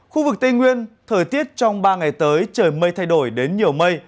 khu vực tây nguyên thời tiết trong ba ngày tới trời mây thay đổi đến nhiều mây